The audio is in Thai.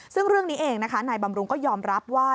ซึ่งเรื่องนี้เองนะคะนายบำรุงก็ยอมรับว่า